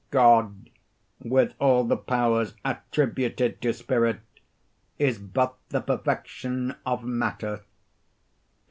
God, with all the powers attributed to spirit, is but the perfection of matter.